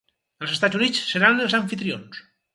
Els Estats Units seran els amfitrions.